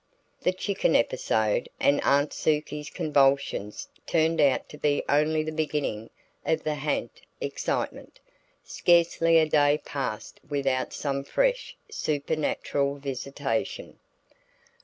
The chicken episode and Aunt Sukie's convulsions turned out to be only the beginning of the ha'nt excitement; scarcely a day passed without some fresh supernatural visitation.